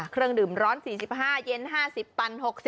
เครื่องดื่มร้อน๔๕เย็น๕๐ตัน